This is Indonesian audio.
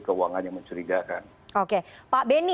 keuangan yang mencurigakan